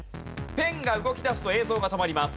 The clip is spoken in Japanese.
ペンが動き出すと映像が止まります。